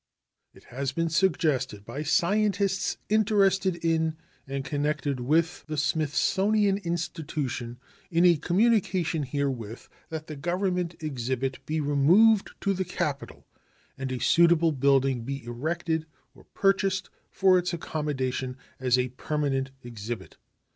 It has been suggested by scientists interested in and connected with the Smithsonian Institution, in a communication herewith, that the Government exhibit be removed to the capital and a suitable building be erected or purchased for its accommodation as a permanent exhibit.